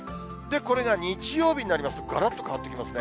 これが日曜日になりますと、がらっと変わってきますね。